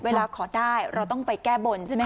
เวลาขอได้เราต้องไปแก้บนใช่ไหมค